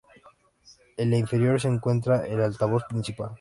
En la inferior se encuentra el altavoz principal.